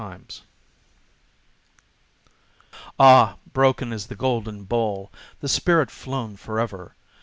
LENORE Ah, broken is the golden bowl! the spirit flown forever!